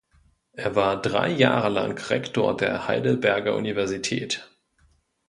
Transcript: Er war drei Jahre lang Rektor der Heidelberger Universität.